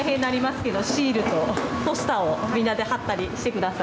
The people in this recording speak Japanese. シールとポスターをみんなで貼ったりしてください。